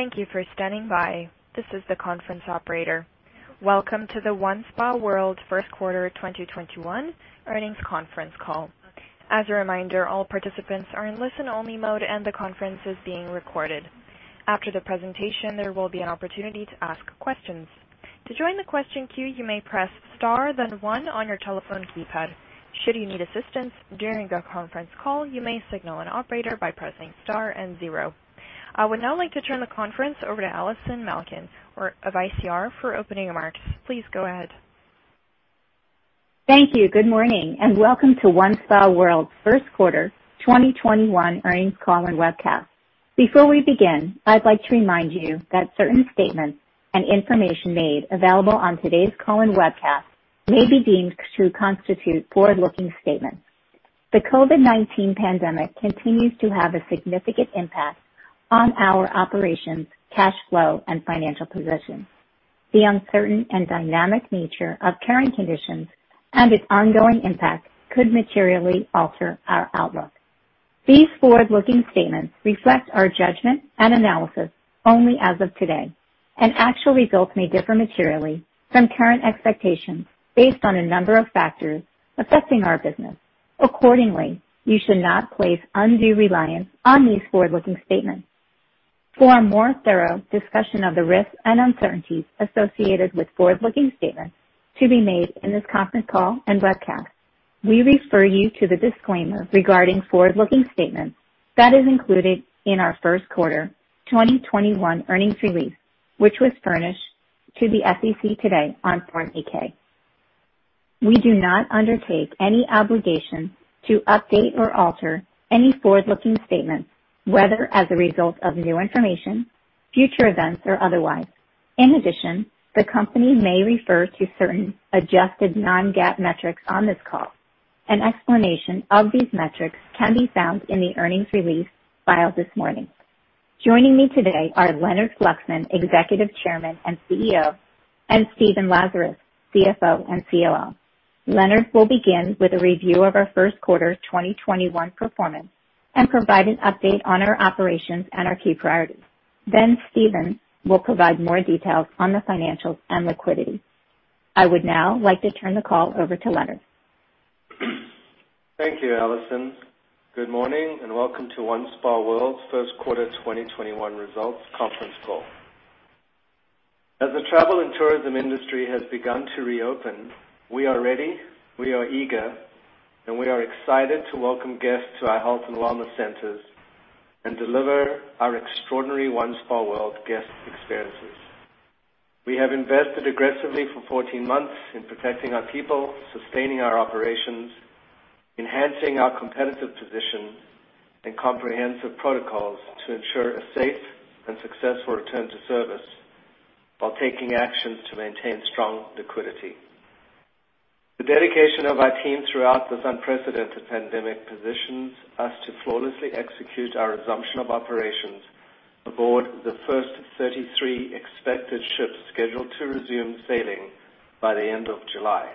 Thank you for standing by. This is the conference operator. Welcome to the OneSpaWorld Q1 2021 Earnings Conference Call. As a reminder, all participants are in listen-only mode, and the conference is being recorded. After the presentation, there will be an opportunity to ask questions. To join the question queue, you may press star then one on your telephone keypad. Should you need assistance during the conference call, you may signal an operator by pressing star and zero. I would now like to turn the conference over to Allison Malkin of ICR for opening remarks. Please go ahead. Thank you. Good morning. Welcome to OneSpaWorld Q1 2021 Earnings Call and Webcast. Before we begin, I'd like to remind you that certain statements and information made available on today's call and webcast may be deemed to constitute forward-looking statements. The COVID-19 pandemic continues to have a significant impact on our operations, cash flow, and financial positions. The uncertain and dynamic nature of current conditions and its ongoing impact could materially alter our outlook. These forward-looking statements reflect our judgment and analysis only as of today. Actual results may differ materially from current expectations based on a number of factors affecting our business. Accordingly, you should not place undue reliance on these forward-looking statements. For a more thorough discussion of the risks and uncertainties associated with forward-looking statements to be made in this conference call and webcast, we refer you to the disclaimer regarding forward-looking statements that is included in our Q1 2021 earnings release, which was furnished to the SEC today on Form 8-K. We do not undertake any obligation to update or alter any forward-looking statements, whether as a result of new information, future events, or otherwise. In addition, the company may refer to certain adjusted non-GAAP metrics on this call. An explanation of these metrics can be found in the earnings release filed this morning. Joining me today are Leonard Fluxman, Executive Chairman and CEO, and Stephen Lazarus, CFO and COO. Leonard will begin with a review of our Q1 2021 performance and provide an update on our operations and our key priorities. Stephen will provide more details on the financials and liquidity. I would now like to turn the call over to Leonard. Thank you, Allison. Good morning and welcome to OneSpaWorld's Q1 2021 results conference call. As the travel and tourism industry has begun to reopen, we are ready, we are eager, and we are excited to welcome guests to our health and wellness centers and deliver our extraordinary OneSpaWorld guest experiences. We have invested aggressively for 14 months in protecting our people, sustaining our operations, enhancing our competitive position and comprehensive protocols to ensure a safe and successful return to service while taking actions to maintain strong liquidity. The dedication of our team throughout this unprecedented pandemic positions us to flawlessly execute our resumption of operations aboard the first of 33 expected ships scheduled to resume sailing by the end of July.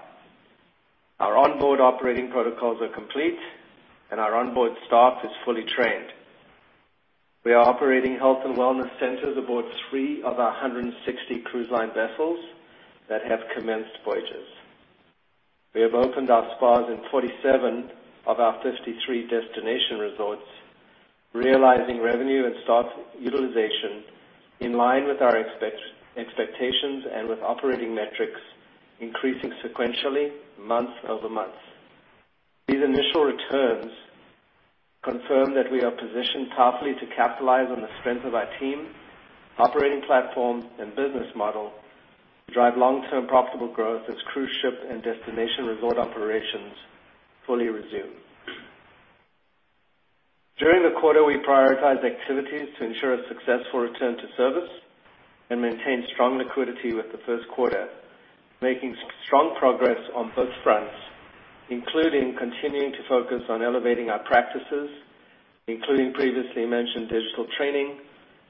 Our onboard operating protocols are complete, and our onboard staff is fully trained. We are operating health and wellness centers aboard three of our 160 cruise line vessels that have commenced voyages. We have opened our spas in 47 of our 53 destination resorts, realizing revenue and staff utilization in line with our expectations and with operating metrics increasing sequentially month-over-month. These initial returns confirm that we are positioned powerfully to capitalize on the strength of our team, operating platform, and business model to drive long-term profitable growth as cruise ship and destination resort operations fully resume. During the quarter, we prioritized activities to ensure a successful return to service and maintain strong liquidity with Q1, making strong progress on both fronts, including continuing to focus on elevating our practices, including previously mentioned digital training,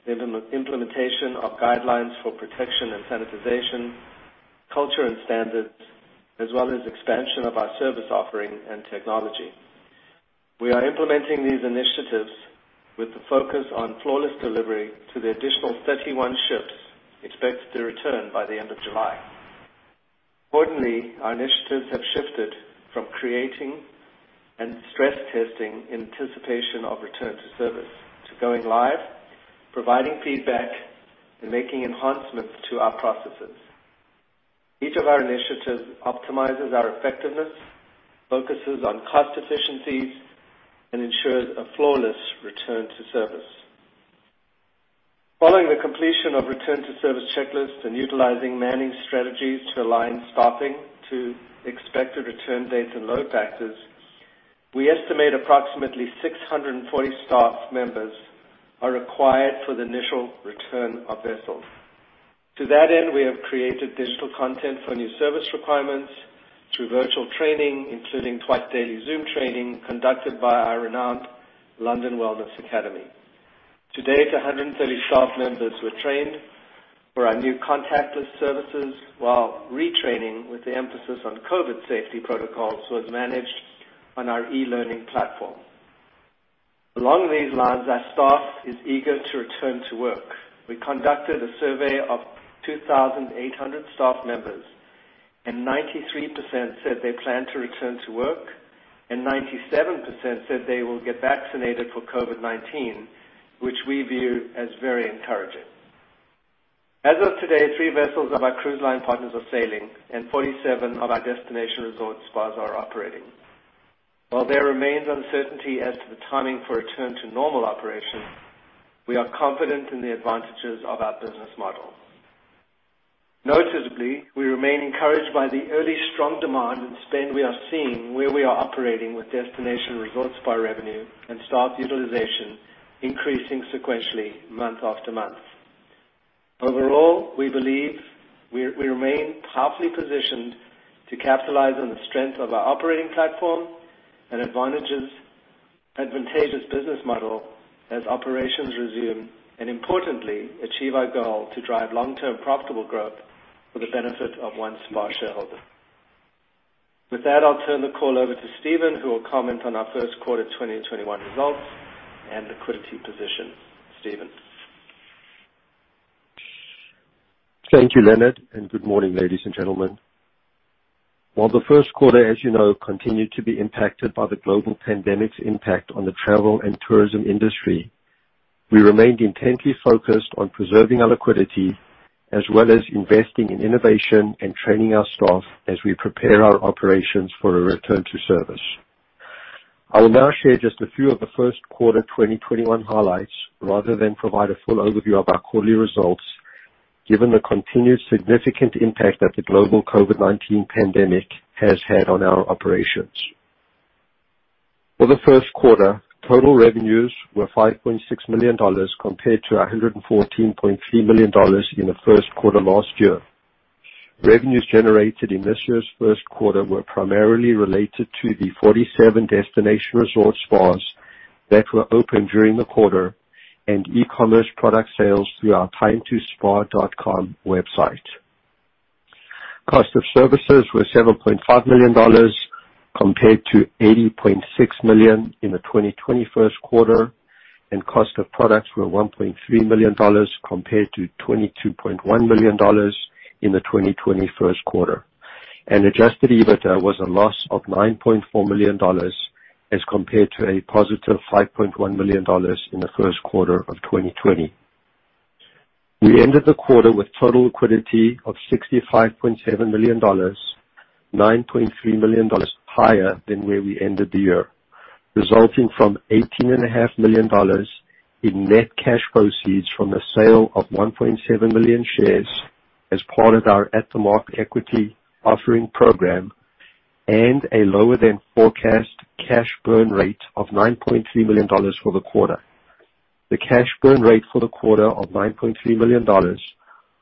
implementation of guidelines for protection and sanitization, culture and standards, as well as expansion of our service offering and technology. We are implementing these initiatives with the focus on flawless delivery to the additional 31 ships expected to return by the end of July. Accordingly, our initiatives have shifted from creating and stress testing in anticipation of return to service to going live, providing feedback, and making enhancements to our processes. Each of our initiatives optimizes our effectiveness, focuses on cost efficiencies, and ensures a flawless return to service. Following the completion of return to service checklists and utilizing manning strategies to align staffing to expected return dates and load factors, we estimate approximately 640 staff members are required for the initial return of vessels. To that end, we have created digital content for new service requirements through virtual training, including twice-daily Zoom training conducted by our renowned London Wellness Academy. To date, 130 staff members were trained for our new contactless services, while retraining with the emphasis on COVID safety protocols was managed on our e-learning platform. Along these lines, our staff is eager to return to work. We conducted a survey of 2,800 staff members, and 93% said they plan to return to work, and 97% said they will get vaccinated for COVID-19, which we view as very encouraging. As of today, three vessels of our cruise line partners are sailing, and 47 of our destination resort spas are operating. While there remains uncertainty as to the timing for a return to normal operation, we are confident in the advantages of our business model. Noticeably, we remain encouraged by the early strong demand and spend we are seeing where we are operating with destination resort spa revenue and staff utilization increasing sequentially month after month. Overall, we believe we remain powerfully positioned to capitalize on the strength of our operating platform and advantageous business model as operations resume, and importantly, achieve our goal to drive long-term profitable growth for the benefit of OneSpa shareholders. With that, I'll turn the call over to Stephen, who will comment on our Q1 2021 results and liquidity position. Stephen. Thank you, Leonard, and good morning, ladies and gentlemen. While Q1, as you know continued to be impacted by the global pandemic's impact on the travel and tourism industry, we remained intently focused on preserving our liquidity as well as investing in innovation and training our staff as we prepare our operations for a return to service. I will now share just a few of Q1 2021 highlights rather than provide a full overview of our quarterly results, given the continued significant impact that the global COVID-19 pandemic has had on our operations. For Q1, total revenues were $5.6 million compared to $114.3 million in Q1 last year. Revenues generated in this year's Q1 were primarily related to the 47 destination resort spas that were open during the quarter and e-commerce product sales through our timetospa.com website. Cost of services were $7.5 million compared to $80.6 million in the 2020 Q1, and cost of products were $1.3 million compared to $22.1 million in the 2020 Q1. Adjusted EBITDA was a loss of $9.4 million as compared to a positive $5.1 million in Q1 of 2020. We ended the quarter with total liquidity of $65.7 million, $9.3 million higher than where we ended the year, resulting from $18.5 million in net cash proceeds from the sale of 1.7 million shares as part of our at-the-market equity offering program and a lower than forecast cash burn rate of $9.3 million for the quarter. The cash burn rate for the quarter of $9.3 million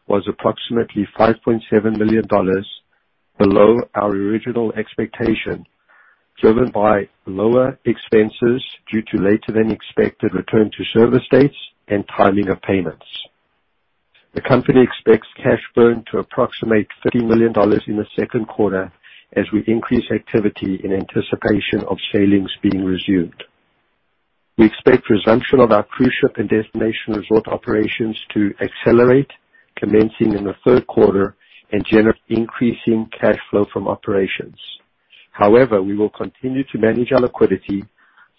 was approximately $5.7 million below our original expectation, driven by lower expenses due to later than expected return to service dates and timing of payments. The company expects cash burn to approximate $30 million in Q2 as we increase activity in anticipation of sailings being resumed. We expect resumption of our cruise ship and destination resort operations to accelerate, commencing in Q3 and generate increasing cash flow from operations. However, we will continue to manage our liquidity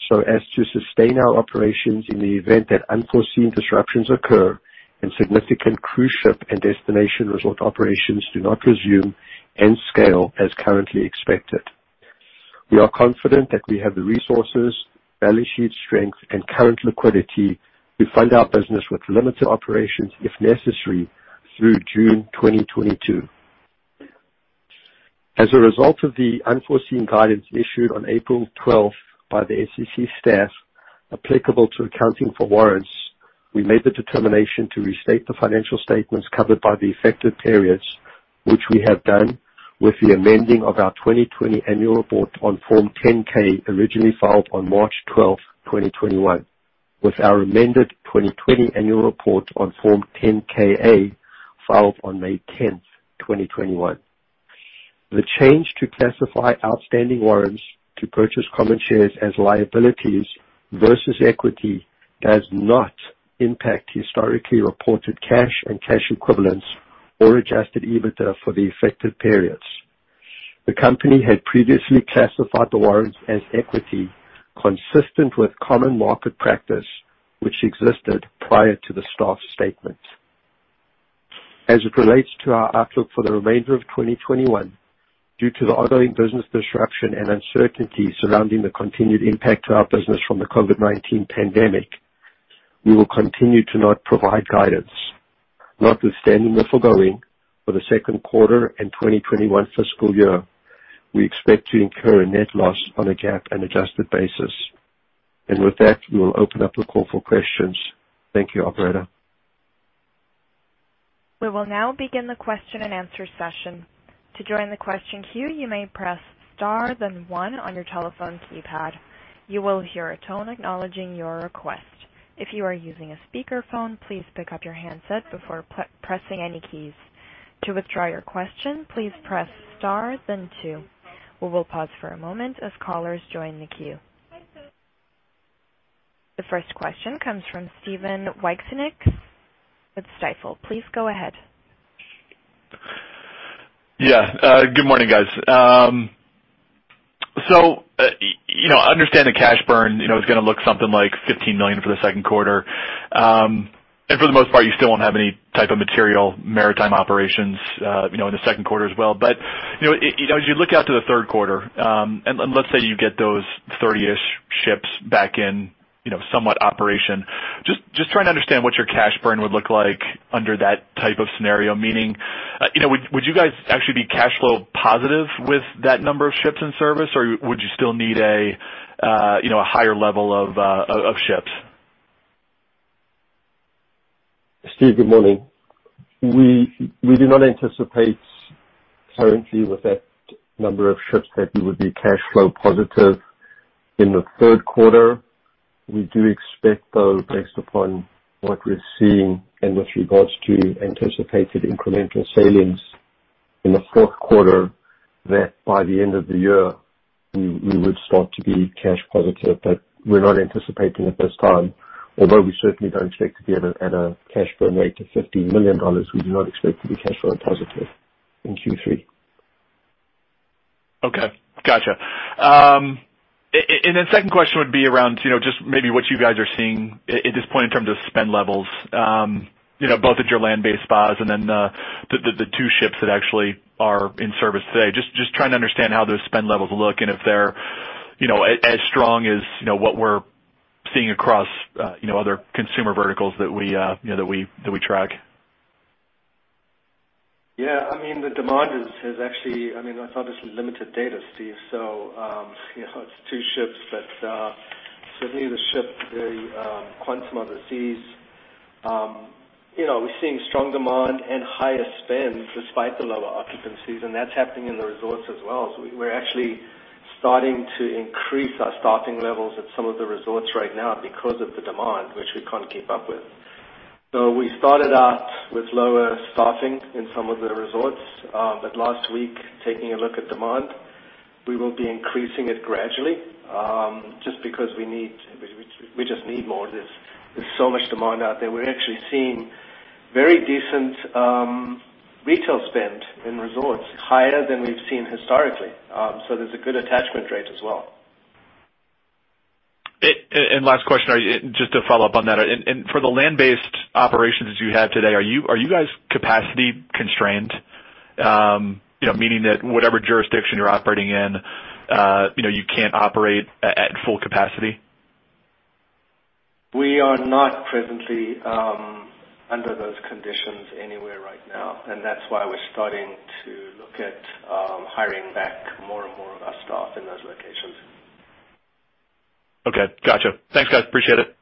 so as to sustain our operations in the event that unforeseen disruptions occur and significant cruise ship and destination resort operations do not resume and scale as currently expected. We are confident that we have the resources, balance sheet strength, and current liquidity to fund our business with limited operations, if necessary, through June 2022. As a result of the unforeseen guidance issued on April 12th by the SEC staff applicable to accounting for warrants, we made the determination to restate the financial statements covered by the affected periods, which we have done with the amending of our 2020 annual report on Form 10-K, originally filed on March 12th, 2021, with our amended 2020 annual report on Form 10-K/A, filed on May 10th, 2021. The change to classify outstanding warrants to purchase common shares as liabilities versus equity does not impact historically reported cash and cash equivalents or Adjusted EBITDA for the affected periods. The company had previously classified the warrants as equity, consistent with common market practice, which existed prior to the staff statement. As it relates to our outlook for the remainder of 2021, due to the ongoing business disruption and uncertainty surrounding the continued impact to our business from the COVID-19 pandemic, we will continue to not provide guidance. Notwithstanding the foregoing, for Q2 and 2021 fiscal year, we expect to incur a net loss on a GAAP and adjusted basis. With that, we will open up the call for questions. Thank you, operator. We will now begin the question and answer session. To join the question queue, you may press star, then one on your telephone keypad. You will hear a tone acknowledging your request. If you are using a speakerphone, please pick up your handset before pressing any keys. To withdraw your question, please press star, then two. We will pause for a moment as callers join the queue. The first question comes from Steve Wieczynski with Stifel. Please go ahead. Yes. Good morning, guys. I understand the cash burn is going to look something like $15 million for Q2. For the most part, you still won't have any type of material maritime operations in Q2 as well. As you look out to Q3, and let's say you get those 30-ish ships back in somewhat operation, just trying to understand what your cash burn would look like under that type of scenario. Meaning, would you guys actually be cash flow positive with that number of ships in service, or would you still need a higher level of ships? Steve, good morning. We do not anticipate currently with that number of ships that we would be cash flow positive in Q3. We do expect, though, based upon what we're seeing and with regards to anticipated incremental sailings in Q4, that by the end of the year, we would start to be cash positive. We're not anticipating at this time, although we certainly don't expect to be at a cash burn rate of $15 million, we do not expect to be cash flow positive in Q3. Okay. Got you. The second question would be around just maybe what you guys are seeing at this point in terms of spend levels both at your land-based spas and then the two ships that actually are in service today. Just trying to understand how those spend levels look and if they're as strong as what we're seeing across other consumer verticals that we track. The demand is obviously limited data, Steve. It's two ships. Certainly the ship, the Quantum of the Seas, we're seeing strong demand and higher spend despite the lower occupancies, and that's happening in the resorts as well. We're actually starting to increase our staffing levels at some of the resorts right now because of the demand, which we can't keep up with. We started out with lower staffing in some of the resorts. Last week, taking a look at demand, we will be increasing it gradually, just because we just need more. There's so much demand out there. We're actually seeing very decent retail spend in resorts, higher than we've seen historically. There's a good attachment rate as well. Last question, just to follow up on that. For the land-based operations you have today, are you guys capacity constrained? Meaning that whatever jurisdiction you're operating in, you can't operate at full capacity? We are not presently under those conditions anywhere right now, and that's why we're starting to look at hiring back more and more of our staff in those locations. Okay. Got you. Thanks, guys. Appreciate it.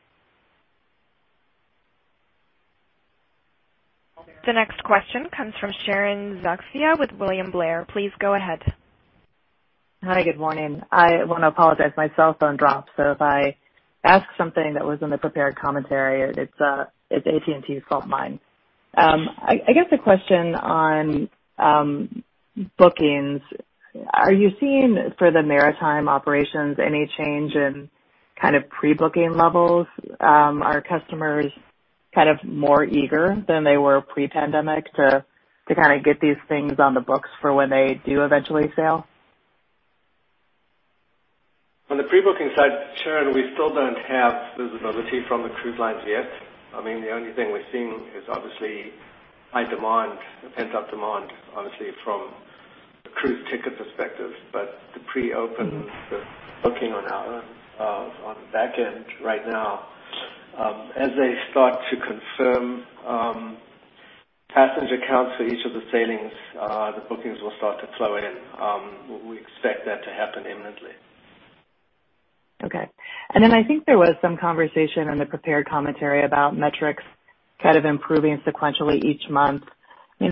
The next question comes from Sharon Zackfia with William Blair. Please go ahead. Hi. Good morning. I want to apologize, my cell phone dropped. If I ask something that was in the prepared commentary, it's AT&T's fault, not mine. I guess a question on bookings. Are you seeing, for the maritime operations, any change in pre-booking levels? Are customers more eager than they were pre-pandemic to get these things on the books for when they do eventually sail? On the pre-booking side, Sharon Zackfia, we still don't have visibility from the cruise lines yet. The only thing we're seeing is obviously high demand, pent-up demand, obviously, from the cruise ticket perspective. The pre-open, the booking on our end, on the back end right now, as they start to confirm passenger counts for each of the sailings, the bookings will start to flow in. We expect that to happen imminently. Okay. I think there was some conversation in the prepared commentary about metrics improving sequentially each month.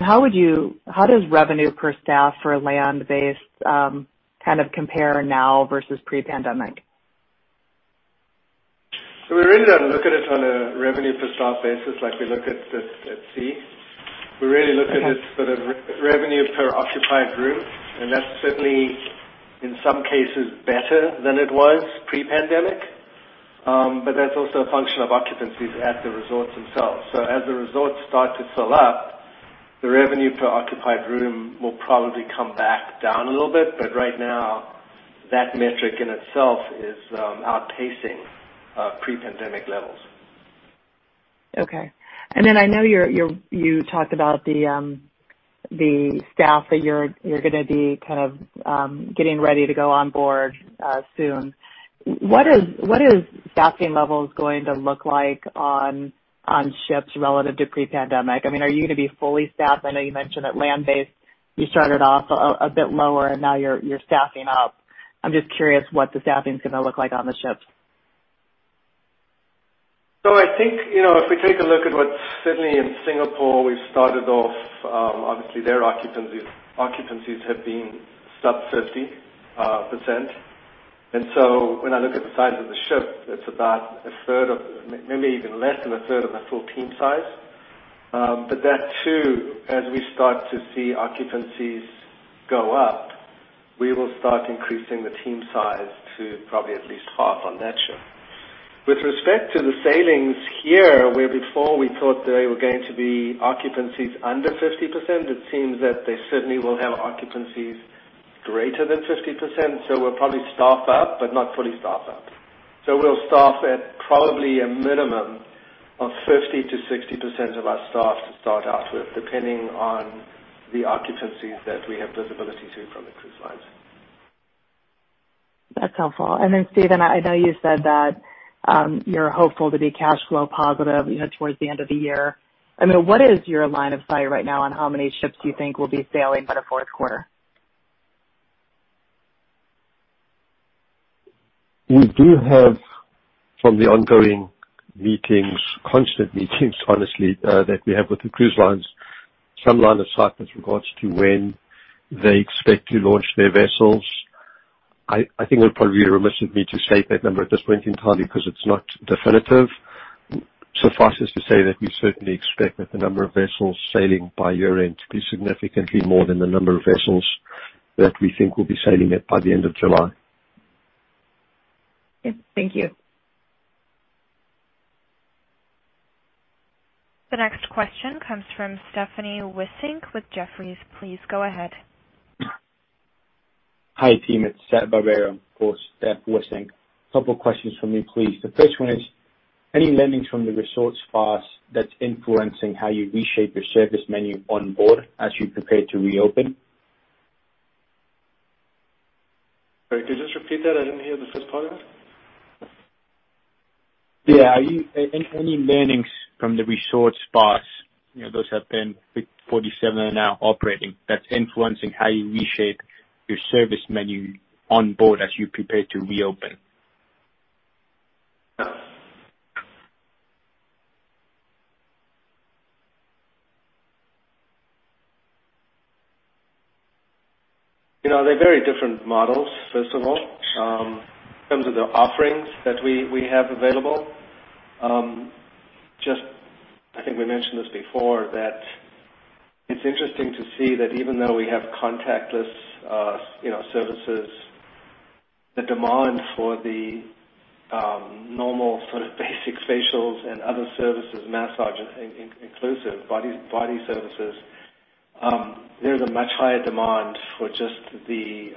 How does revenue per staff for land-based compare now versus pre-pandemic? We really don't look at it on a revenue per staff basis like we look at the at sea. We really look at it for the revenue per occupied room, and that's certainly, in some cases, better than it was pre-pandemic. That's also a function of occupancies at the resorts themselves. As the resorts start to fill up, the revenue per occupied room will probably come back down a little bit. Right now, that metric in itself is outpacing pre-pandemic levels. Okay. Then I know you talked about the staff that you're going to be getting ready to go on board soon. What is staffing levels going to look like on ships relative to pre-pandemic? Are you going to be fully staffed? I know you mentioned that land-based, you started off a bit lower, and now you're staffing up. I'm just curious what the staffing's going to look like on the ships. I think, if we take a look at what Sydney and Singapore, we've started off, obviously their occupancies have been sub 30%. When I look at the size of the ship, it's about a third of, maybe even less than a third of a full team size. That too, as we start to see occupancies go up, we will start increasing the team size to probably at least half on that ship. With respect to the sailings here, where before we thought they were going to be occupancies under 50%, it seems that they certainly will have occupancies greater than 50%. We'll probably staff up, but not fully staff up. We'll staff at probably a minimum of 50% to 60% of our staff to start out with, depending on the occupancies that we have visibility to from the cruise lines. That's helpful. Then, Stephen, I know you said that, you're hopeful to be cash flow positive towards the end of the year. What is your line of sight right now on how many ships you think will be sailing by Q4? We do have, from the ongoing meetings, constant meetings, honestly, that we have with the cruise lines, some line of sight with regards to when they expect to launch their vessels. I think it would probably be remiss of me to state that number at this point in time because it's not definitive. Suffice it to say that we certainly expect that the number of vessels sailing by year-end to be significantly more than the number of vessels that we think will be sailing by the end of July. Okay. Thank you. The next question comes from Stephanie Wissink with Jefferies. Please go ahead. Hi, team. It's Seb Barbero on for Steph Wissink. Couple of questions from me, please. The first one is, any learnings from the resort spas that's influencing how you reshape your service menu on board as you prepare to reopen? Sorry, could you just repeat that? I didn't hear the first part of that. Yes. Any learnings from the resort spas, those have been 47 are now operating, that's influencing how you reshape your service menu on board as you prepare to reopen? They're very different models, first of all, in terms of the offerings that we have available. I think we mentioned this before, that it's interesting to see that even though we have contactless services, the demand for the normal sort of basic facials and other services, massage inclusive, body services, there is a much higher demand for just the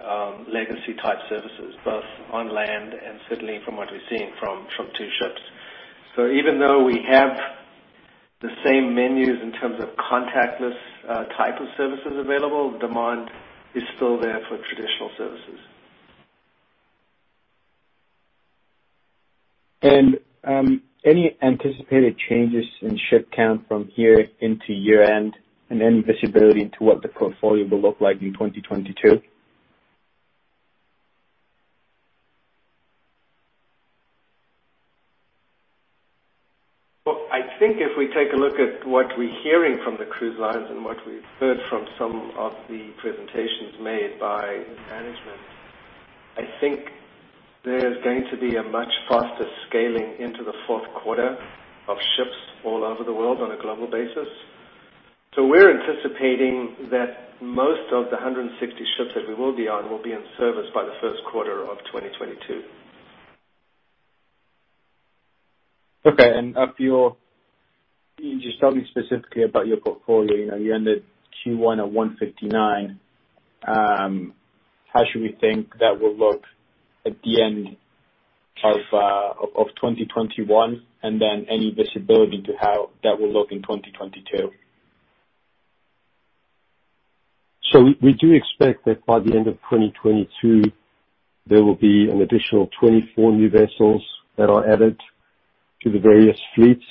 legacy type services, both on land and certainly from what we're seeing from two ships. Even though we have the same menus in terms of contactless type of services available, the demand is still there for traditional services. Any anticipated changes in ship count from here into year-end? Any visibility into what the portfolio will look like in 2022? Well, I think if we take a look at what we're hearing from the cruise lines and what we've heard from some of the presentations made by management, I think there's going to be a much faster scaling into Q4 of ships all over the world on a global basis. We're anticipating that most of the 160 ships that we will be on will be in service by Q1 of 2022. Okay. Can you just tell me specifically about your portfolio? You ended Q1 at 159. How should we think that will look at the end of 2021? Any visibility to how that will look in 2022? We do expect that by the end of 2022, there will be an additional 24 new vessels that are added to the various fleets.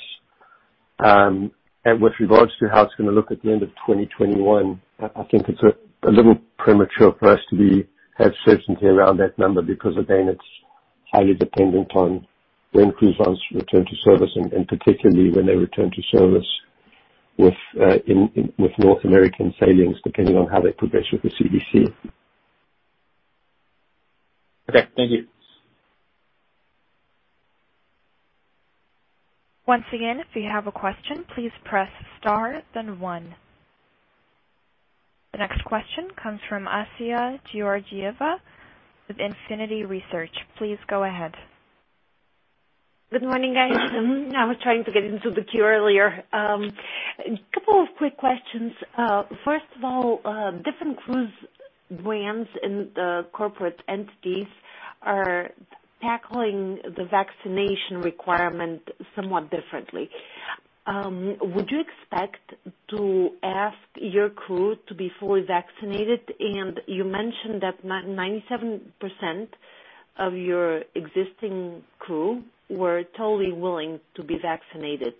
With regards to how it's going to look at the end of 2021, I think it's a little premature for us to have certainty around that number, because again, it's highly dependent on when cruise lines return to service and particularly when they return to service with North American sailings, depending on how they progress with the CDC. Okay. Thank you. Once again, if you have a question, please press star then one. The next question comes from Assia Georgieva with Infinity Research. Please go ahead. Good morning, guys. I was trying to get into the queue earlier. Couple of quick questions. First of all, different cruise brands and corporate entities are tackling the vaccination requirement somewhat differently. Would you expect to ask your crew to be fully vaccinated? And you mentioned that 97% of your existing crew were totally willing to be vaccinated.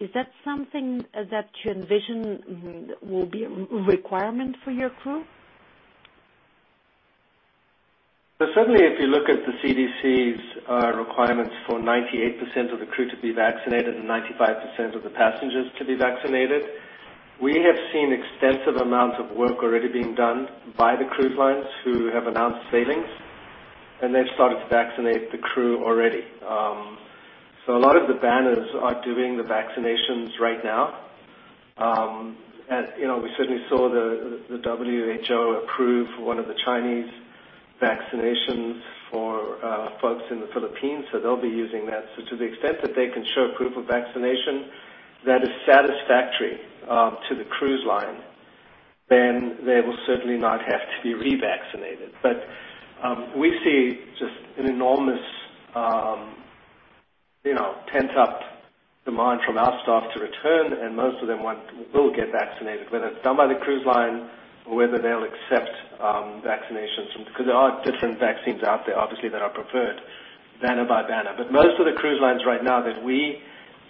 Is that something that you envision will be a requirement for your crew? Certainly, if you look at the CDC's requirements for 98% of the crew to be vaccinated and 95% of the passengers to be vaccinated, we have seen extensive amounts of work already being done by the cruise lines who have announced sailings, and they've started to vaccinate the crew already. A lot of the banners are doing the vaccinations right now. We certainly saw the WHO approve one of the Chinese vaccinations for folks in the Philippines, so they'll be using that. To the extent that they can show proof of vaccination that is satisfactory to the cruise line, then they will certainly not have to be revaccinated. We see just an enormous pent-up demand from our staff to return. Most of them will get vaccinated, whether it's done by the cruise line or whether they'll accept vaccinations, because there are different vaccines out there, obviously, that are preferred banner by banner. Most of the cruise lines right now that we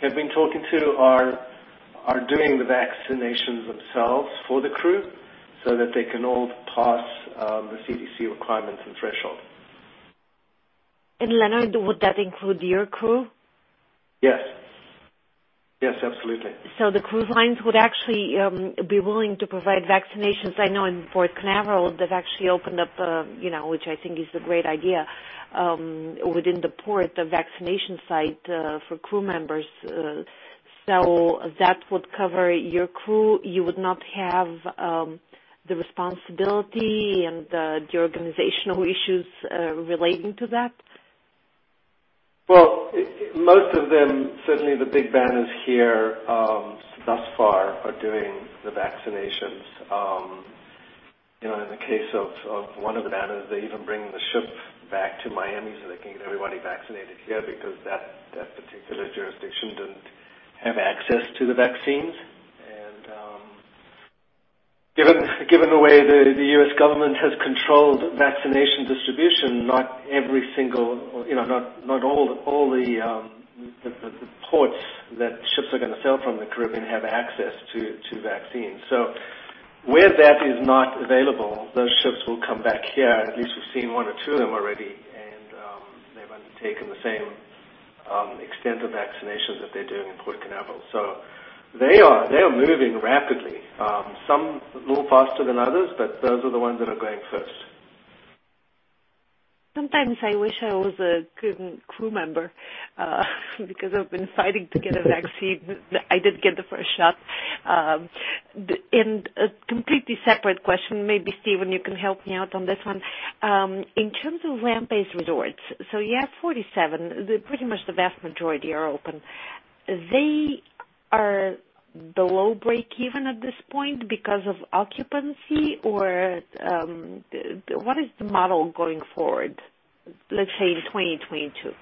have been talking to are doing the vaccinations themselves for the crew so that they can all pass the CDC requirements and threshold. Leonard, would that include your crew? Yes, absolutely. The cruise lines would actually be willing to provide vaccinations. I know in Port Canaveral, they've actually opened up, which I think is a great idea, within the port, the vaccination site for crew members. That would cover your crew. You would not have the responsibility and the organizational issues relating to that? Well, most of them, certainly the big banners here thus far are doing the vaccinations. In the case of one of the banners, they even bring the ship back to Miami so they can get everybody vaccinated here because that particular jurisdiction didn't have access to the vaccines. Given the way the U.S. government has controlled vaccination distribution, not all the ports that ships are going to sail from the Caribbean have access to vaccines. Where that is not available, those ships will come back here. At least we've seen one or two of them already, and they've undertaken the same extensive vaccinations that they're doing in Port Canaveral. They are moving rapidly. Some a little faster than others, those are the ones that are going first. Sometimes I wish I was a crew member because I've been fighting to get a vaccine. I did get the first shot. A completely separate question, maybe Stephen, you can help me out on this one. In terms of land-based resorts, you have 47. Pretty much the vast majority are open. They are below break even at this point because of occupancy, or what is the model going forward, let's say in 2022?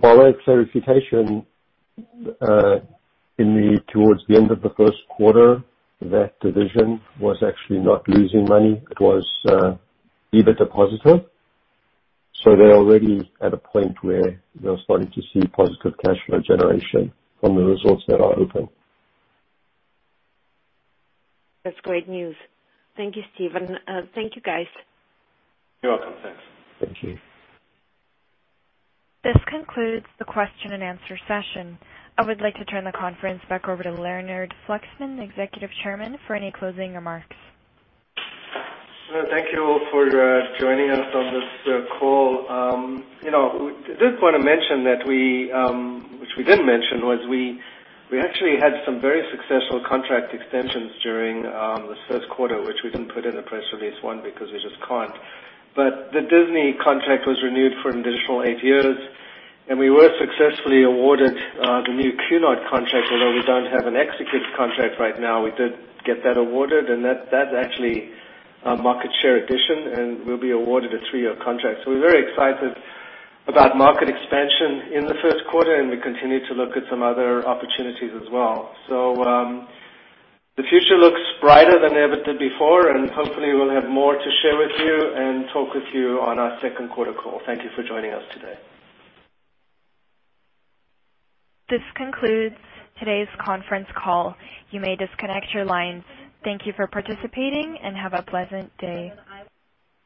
By way of clarification, towards the end of Q1, that division was actually not losing money. It was EBITDA positive. They're already at a point where they're starting to see positive cash flow generation from the resorts that are open. That's great news. Thank you, Stephen. Thank you, guys. You're welcome. Thanks. Thank you. This concludes the question-and-answer session. I would like to turn the conference back over to Leonard Fluxman, Executive Chairman, for any closing remarks. Thank you all for joining us on this call. I did want to mention, which we didn't mention, was we actually had some very successful contract extensions during Q1, which we didn't put in the press release, one, because we just can't. The Disney contract was renewed for an additional eight years, and we were successfully awarded the new Cunard contract, although we don't have an executed contract right now. We did get that awarded, and that's actually a market share addition, and we'll be awarded a three-year contract. We're very excited about market expansion in Q1, and we continue to look at some other opportunities as well. The future looks brighter than it ever did before, and hopefully we'll have more to share with you and talk with you on our Q2 call. Thank you for joining us today. This concludes today's conference call. You may disconnect your lines. Thank you for participating, and have a pleasant day.